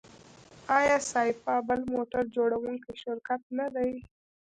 آیا سایپا بل موټر جوړوونکی شرکت نه دی؟